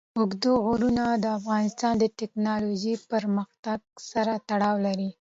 اوږده غرونه د افغانستان د تکنالوژۍ پرمختګ سره تړاو لري.